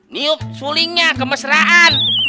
niup sulingnya kemesraan